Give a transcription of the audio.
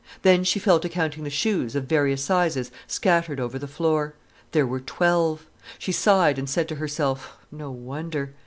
Then she fell to counting the shoes of various sizes scattered over the floor. There were twelve. She sighed and said to herself, "No wonder!"